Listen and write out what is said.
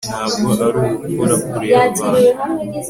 ntabwo ari ubupfura kureba abantu